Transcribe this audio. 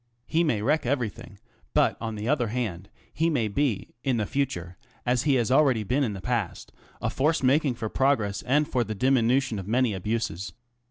He may wreck everything, but on the other hand, he may be in the future, as he ha been already in the past, a force making for progres and for the diminution of many abuses.